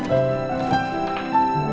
tuhan yang terbaik